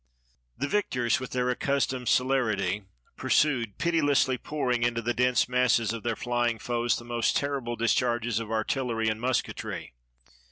The victors, with their accustomed celerity, pur sued, pitilessly pouring into the dense masses of their flying foes the most terrible discharges of artillery and musketry.